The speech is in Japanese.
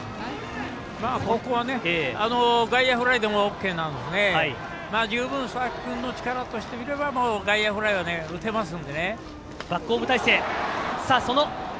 ここは外野フライでもＯＫなので十分、佐々木君の力としては外野フライは打てますので。